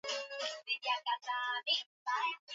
akifunga mabao sita katika michezo sita